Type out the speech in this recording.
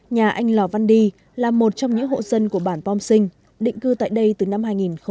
nhà anh lò văn đi là một trong những hộ dân của bản pom sinh định cư tại đây từ năm hai nghìn một mươi